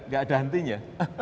enggak ada hantinya